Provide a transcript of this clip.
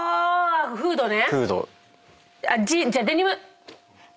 フードね。